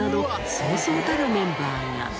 そうそうたるメンバーが。